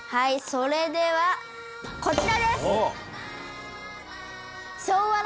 それではこちらです。